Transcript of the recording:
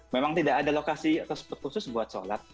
memang tidak ada lokasi khusus untuk sholat